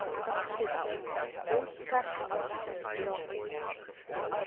A kiss, both passionate and long.